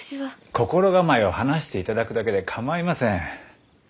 心構えを話していただくだけで構いません。